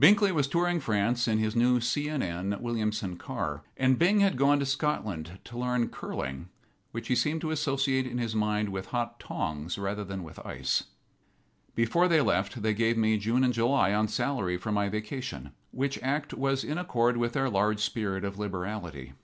Binkly was touring France in his new C. & N. Williamson car, and Bing had gone to Scotland to learn curling, which he seemed to associate in his mind with hot tongs rather than with ice. Before they left they gave me June and July, on salary, for my vacation, which act was in accord with their large spirit of liberality.